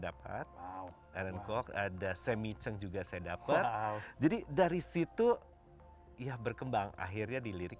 dapat aaron cook ada samy ceng juga saya dapat jadi dari situ ya berkembang akhirnya di lirik